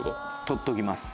取っときます。